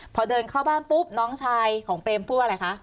พอเดินเข้าบ้านปุ๊บน้องชายของเปรมพูดว่าอะไรคะ